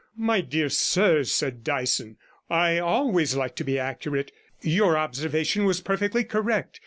'My dear sir,' said Dyson, 'I always like to be accurate. Your observation was perfectly correct.